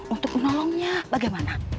untuk menolongnya bagaimana